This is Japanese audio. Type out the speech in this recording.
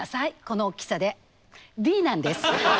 この大きさで「Ｄ」なんです。